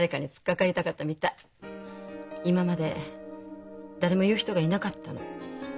今まで誰も言う人がいなかったの。